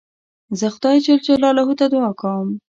زه خدای جل جلاله ته دؤعا کوم.